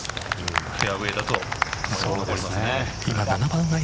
フェアウェイだと残りますね。